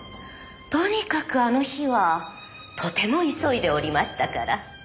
とにかくあの日はとても急いでおりましたから。